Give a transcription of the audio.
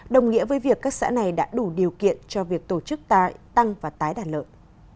đồng nghĩa với việc các xã này đã đủ điều kiện cho việc tổ chức tăng và tái đàn lợn